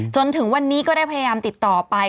จนถึงวันนี้ก็ได้พยายามติดต่อไป